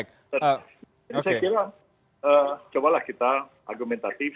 jadi saya kira cobalah kita argumentatif